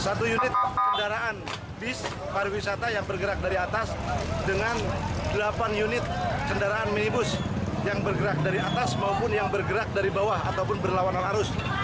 satu unit kendaraan bis pariwisata yang bergerak dari atas dengan delapan unit kendaraan minibus yang bergerak dari atas maupun yang bergerak dari bawah ataupun berlawanan arus